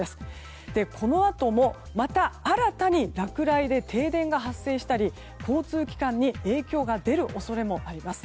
このあとも、また新たに落雷で停電が発生したり交通機関に影響が出る恐れもあります。